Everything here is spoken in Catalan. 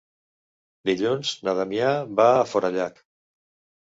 Dilluns na Damià va a Forallac.